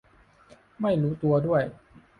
ไม่รู้ตัวด้วย